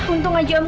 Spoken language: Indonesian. untung aja oma